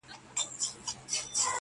ګڼي خوږو خوږو يارانو بۀ مې خپه وهله,